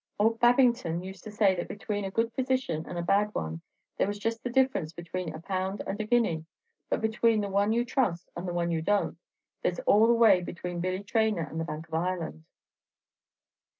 Ould Babbington used to say that between a good physician and a bad one there was just the difference between a pound and a guinea. But between the one you trust and the one you don't, there's all the way between Billy Traynor and the Bank of Ireland!"